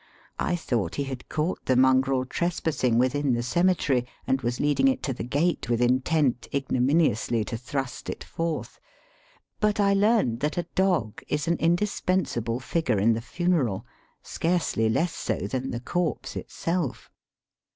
I thought he had caught the mongrel trespassing within the cemetery and was leading it to the gate with intent ignominiously to thrust it forth ; but I learned that a dog is an indispensable figure in the funeral — scarcely less so than the corpse itself.